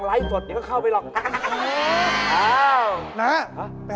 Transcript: เฮ้ยอีกอันนึงเขาบอกว่าอะไร